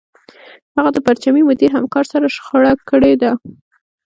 هغه د پرچمي مدیر همکار سره شخړه کړې وه